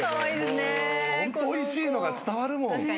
ホントおいしいのが伝わるもん。